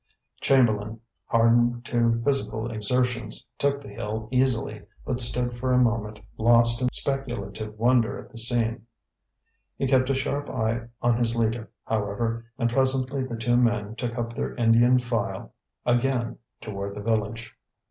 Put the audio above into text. Chamberlain, hardened to physical exertions, took the hill easily, but stood for a moment lost in speculative wonder at the scene. He kept a sharp eye on his leader, however; and presently the two men took up their Indian file again toward the village.